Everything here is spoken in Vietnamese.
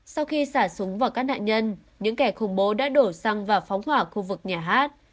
sau khi xả súng vào các nạn nhân những kẻ khủng bố đã đổ xăng và phóng hỏa khu vực nhà hát